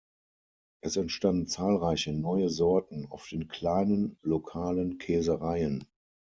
Es entstanden zahlreiche neue Sorten, oft in kleinen, lokalen Käsereien.